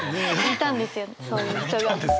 「いたんですよ」。